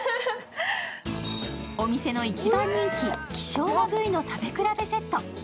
お店の一番人気、希少な部位の食べ比べセット。